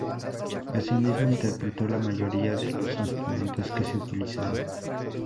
Asimismo, interpretó la mayoría de los instrumentos que se utilizaron.